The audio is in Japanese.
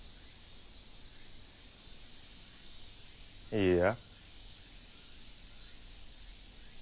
いいや。